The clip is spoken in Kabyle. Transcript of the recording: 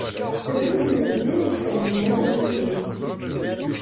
Drus n medden i ifehmen awennit-is.